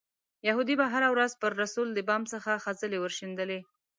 یهودي به هره ورځ پر رسول د بام څخه خځلې ورشیندلې.